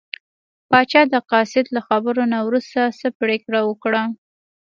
پاچا د قاصد له خبرو نه وروسته څه پرېکړه وکړه.